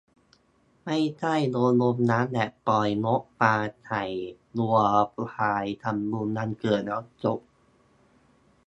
ไม่ใช่โยนลงน้ำแบบปล่อยนกปลาไถ่วัวควายทำบุญวันเกิดแล้วจบ